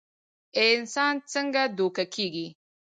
انسان څنګ دوکه کيږي